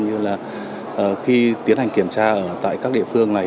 như là khi tiến hành kiểm tra ở tại các địa phương này